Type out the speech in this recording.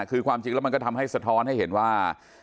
คือความจริงแล้วมันก็ทำให้สะท้อนให้เห็นว่า